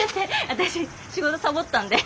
私仕事サボったんで。